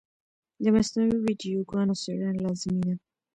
د مصنوعي ویډیوګانو څېړنه لازمي ده.